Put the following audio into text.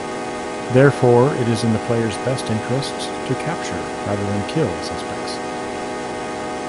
Therefore, it is in the player's best interests to capture rather than kill suspects.